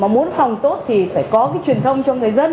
muốn phòng tốt thì phải có cái truyền thông cho người dân